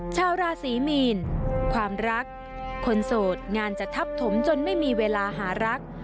ชาวราศีมีนความรักคนโสดงานจะทับถมจนไม่มีเวลาหารัก